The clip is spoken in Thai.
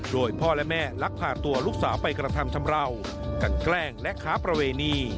โดยพ่อและแม่ลักพาตัวลูกสาวไปกระทำชำราวกันแกล้งและค้าประเวณี